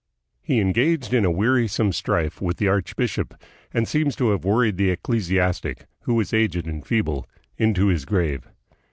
He engaged in a wearisome strife with the archbishop, and seems to have worried the ecclesiastic, who was aged and feeble, into his grave.